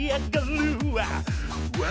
うわ！